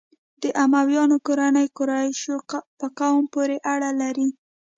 د امویانو کورنۍ قریشو په قوم پورې اړه لري.